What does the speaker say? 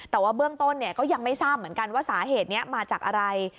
แต่ว่าเบื้องต้นก็ยังไม่ทราบเหมือนกันว่าสาเหตุนี้มาจากอะไร